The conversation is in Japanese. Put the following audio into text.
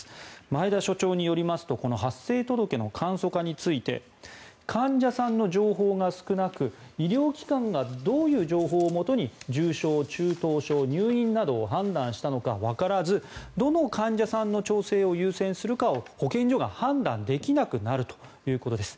前田所長によりますとこの発生届の簡素化について患者さんの情報が少なく医療機関がどういう情報をもとに重症、中等症、入院などを判断したのかわからずどの患者さんの調整を優先するかを保健所が判断できなくなるということです。